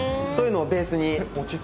そういうのをベースに。